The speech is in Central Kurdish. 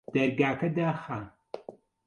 دەرگاکە داخە